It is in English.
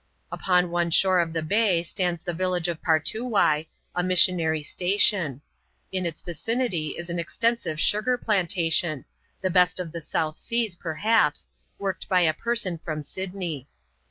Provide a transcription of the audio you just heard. Upon one shore of the bay stands the village of Partoowye, a missionary station. In its vicinity is an extensive sugar plan tation — the best in the South Seas, perhaps — worked by a person from Sydney.